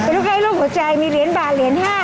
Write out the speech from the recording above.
เป็นใครลูกหัวใจมีเหรียญบาทเหรียญห้า